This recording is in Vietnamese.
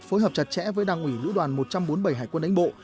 phối hợp chặt chẽ với đảng ủy lữ đoàn một trăm bốn mươi bảy hải quân đánh bộ